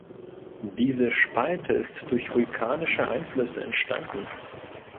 Diese Spalte ist durch vulkanische Einflüsse entstanden.